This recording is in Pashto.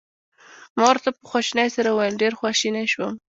ما ورته په خواشینۍ سره وویل: ډېر خواشینی شوم.